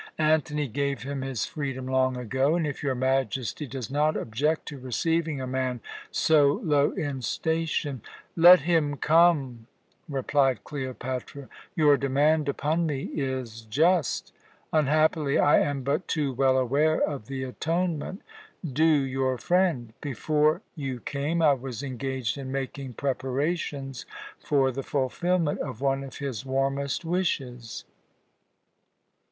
Antony gave him his freedom long ago, and if your Majesty does not object to receiving a man so low in station " "Let him come," replied Cleopatra. "Your demand upon me is just. Unhappily, I am but too well aware of the atonement due your friend. Before you came, I was engaged in making preparations for the fulfilment of one of his warmest wishes."